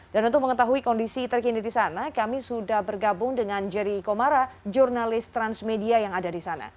dan untuk mengetahui kondisi terkini di sana kami sudah bergabung dengan jerry komara jurnalis transmedia yang ada di sana